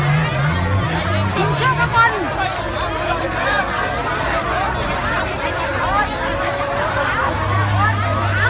ก็ไม่มีเวลาให้กลับมาเท่าไหร่